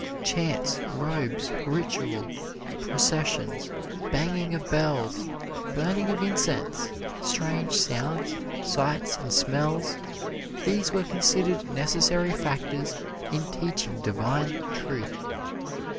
Chants, robes, ritual, processions, banging of bells, burning of incense, strange sounds, sights and smells: these were considered necessary factors in teaching divine truth.